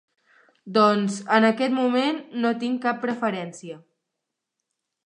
Doncs, en aquest moment, no tinc cap preferència.